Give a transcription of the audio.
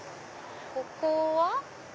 ここは？